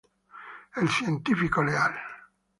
El científico leal